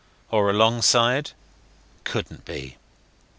Or alongside? Couldn't be.